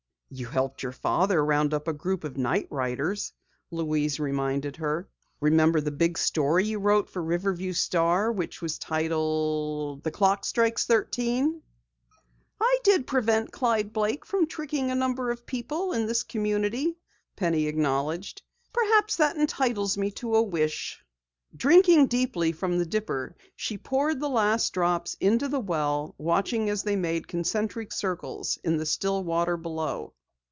"You helped your father round up a group of Night Riders," Louise reminded her. "Remember the big story you wrote for the Riverview Star which was titled: The Clock Strikes Thirteen?" "I did prevent Clyde Blake from tricking a number of people in this community," Penny acknowledged. "Perhaps that entitles me to a wish." Drinking deeply from the dipper, she poured the last drops into the well, watching as they made concentric circles in the still water below.